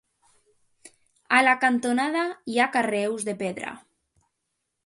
A la cantonada hi ha carreus de pedra.